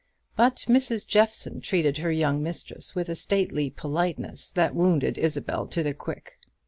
But Mrs. Jeffson treated her young mistress with a stately politeness that wounded Isabel to the quick.